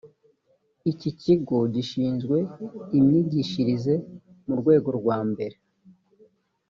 ikikigo gishinzwe imyigishirize mu rwego rwambere